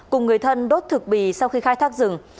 cùng người thân đốt thực bì sau khi khai thác rừng